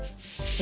え？